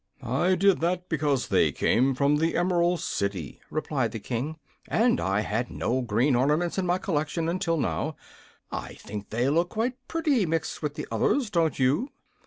"I did that because they came from the Emerald City," replied the King; "and I had no green ornaments in my collection until now. I think they will look quite pretty, mixed with the others. Don't you?"